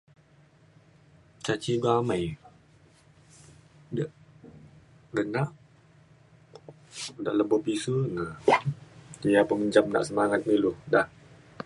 ca cigu amai de denak de lebo pisu na ia’ pemenjam nak semangat me ilu da